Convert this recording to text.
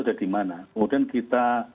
ada di mana kemudian kita